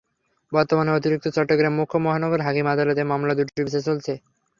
বর্তমানে অতিরিক্ত চট্টগ্রাম মুখ্য মহানগর হাকিম আদালতে মামলা দুটির বিচার চলছে।